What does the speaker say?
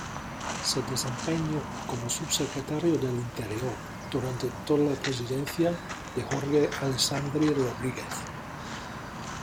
Se desempeñó como subsecretario del Interior durante toda la presidencia de Jorge Alessandri Rodríguez.